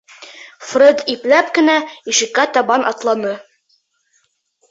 Фред ипләп кенә ишеккә табан атланы.